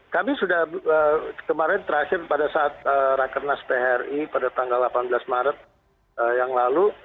kami sudah kemarin terakhir pada saat rakernas phri pada tanggal delapan belas maret yang lalu